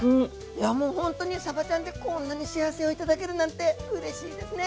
いやもうほんとにさばちゃんでこんなに幸せをいただけるなんてうれしいですね。